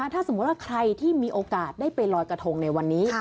ถ้าสมมุติว่าใครที่มีโอกาสได้ไปลอยกระทงในวันนี้